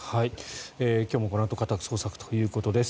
今日もこのあと家宅捜索ということです。